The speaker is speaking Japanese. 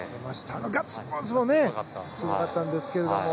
ガッツポーズもすごかったんですけれども。